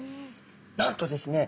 なんとですね